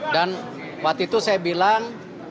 dan waktu itu saya bilang